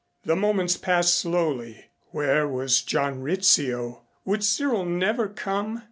The moments passed slowly. Where was John Rizzio? Would Cyril never come?